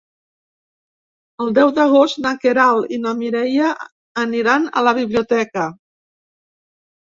El deu d'agost na Queralt i na Mireia aniran a la biblioteca.